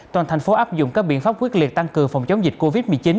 toàn thành phố áp dụng các biện pháp quyết liệt tăng cường phòng chống dịch covid một mươi chín